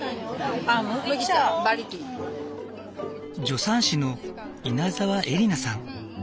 助産師の稲澤エリナさん。